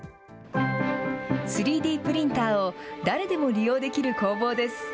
３Ｄプリンターを誰でも利用できる工房です。